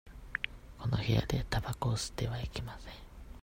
この部屋でたばこを吸ってはいけません。